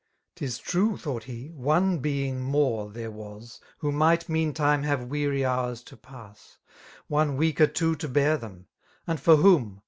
'Tis true^ thought he, one being more there ww^« Who might meantime have weary hours to pass^ ^ One weaker too to bear them,— and for whom?